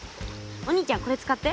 お兄ちゃんこれ使って！